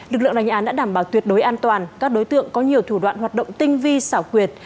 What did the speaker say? lực lượng đánh án đã đảm bảo tuyệt đối an toàn các đối tượng có nhiều thủ đoạn hoạt động tinh vi xảo quyệt